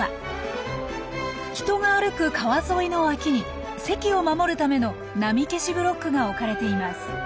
人が歩く川沿いの脇に堰を守るための波消しブロックが置かれています。